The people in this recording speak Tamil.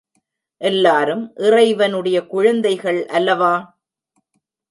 எல்லாரும் இறைவனுடைய குழந்தைகள் அல்லவா?